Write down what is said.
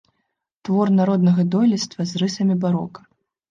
Твор народнага дойлідства з рысамі барока.